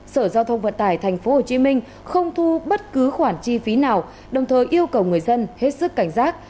sở giao thông vận tải tp hcm không thu bất cứ khoản chi phí nào đồng thời yêu cầu người dân hết sức cảnh giác